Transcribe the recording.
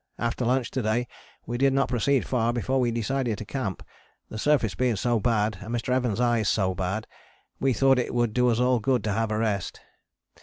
After lunch to day we did not proceed far before we decided to camp, the surface being so bad and Mr. Evans' eyes so bad, we thought it would do us all good to have a rest.